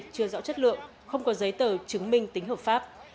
chưa rõ chất lượng không có giấy tờ chứng minh tính hợp pháp